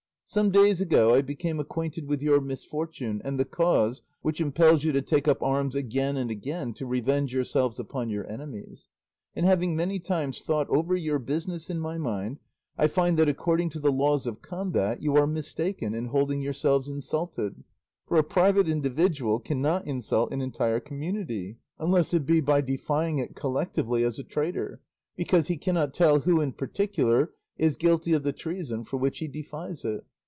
Some days ago I became acquainted with your misfortune and the cause which impels you to take up arms again and again to revenge yourselves upon your enemies; and having many times thought over your business in my mind, I find that, according to the laws of combat, you are mistaken in holding yourselves insulted; for a private individual cannot insult an entire community; unless it be by defying it collectively as a traitor, because he cannot tell who in particular is guilty of the treason for which he defies it.